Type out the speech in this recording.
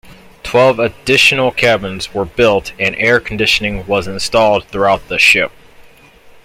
Twelve additional cabins were built, and air conditioning was installed throughout the ship.